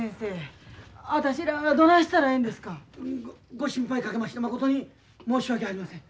ご心配かけましてまことに申し訳ありません。